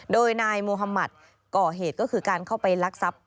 โดยนายโมฮามัติก่อเหตุก็คือการเข้าไปลักทรัพย์